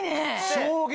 衝撃！